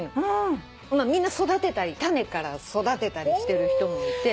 みんな育てたり種から育てたりしてる人もいて。